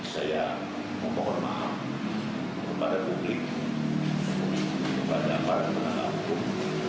saya memohon maaf kepada publik kepada para penegak hukum